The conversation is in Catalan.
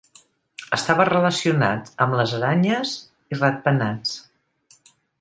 Estava relacionat amb les aranyes i rat-penats.